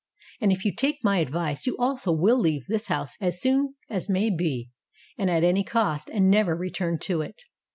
And, if you take my advice, you also will leave this house as soon as may be and at any cost, and never return to it."